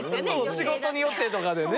仕事によってとかでね。